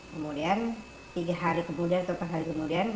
kemudian tiga hari kemudian atau empat hari kemudian